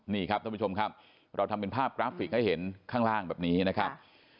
นี่ครับท่านผู้ชมครับเราทำเป็นภาพกราฟิกให้เห็นข้างล่างแบบนี้นะครับ